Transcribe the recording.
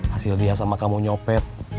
hasil dia sama kamu nyopet